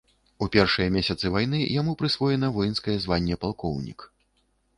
У першыя месяцы вайны яму прысвоена воінскае званне палкоўнік.